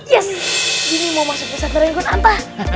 yes dini mau masuk pesantren kunanta